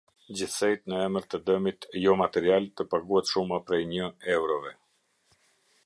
Gjithsejt në emër të dëmit jo material, të paguhet shuma prej një eurove.